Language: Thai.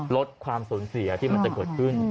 ลดความสูญเสียที่มันจะเกิดขึ้น